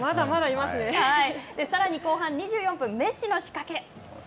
さらに後半２４分メッシの仕掛け。